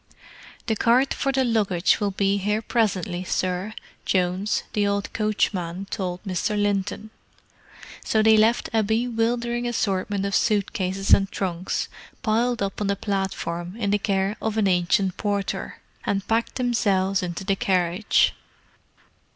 "The cart for the luggage will be here presently, sir," Jones, the old coachman, told Mr. Linton. So they left a bewildering assortment of suit cases and trunks piled up on the platform in the care of an ancient porter, and packed themselves into the carriage.